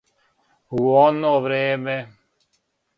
У оно време.